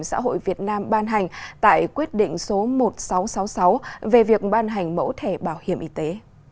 xã hội việt nam ban hành tại quyết định số một nghìn sáu trăm sáu mươi sáu về việc ban hành mẫu thẻ bảo hiểm y tế